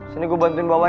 sini gue bantuin bawain